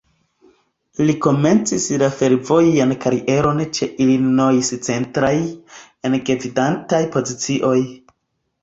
Li komencis la fervojan karieron ĉe "Illinois Central", en gvidantaj pozicioj.